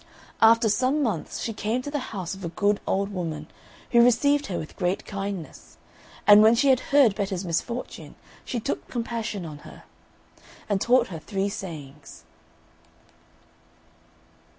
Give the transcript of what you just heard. After some months she came to the house of a good old woman, who received her with great kindness; and when she had heard Betta's misfortune, she took compassion on her, and taught her three sayings.